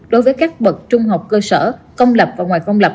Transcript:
đối với các bậc trung học cơ sở công lập và ngoài công lập